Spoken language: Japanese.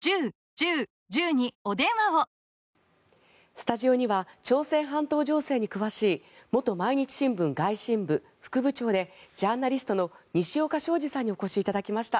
スタジオには朝鮮半島情勢に詳しい元毎日新聞外信部副部長でジャーナリストの西岡省二さんにお越しいただきました。